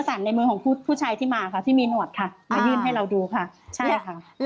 แล้วตำรวจเนี่ยนะคะคนที่พูดกับคุณแจนตรงที่ลานย่าโมเนี่ยเป็นตำรวจพูดซะเป็นส่วนใหญ่หรือว่าเป็นผู้ชายที่มาทีหลังค่ะ